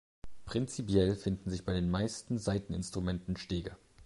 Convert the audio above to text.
Prinzipiell finden sich bei den meisten Saiteninstrumenten Stege.